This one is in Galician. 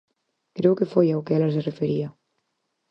Creo que foi ao que ela se refería.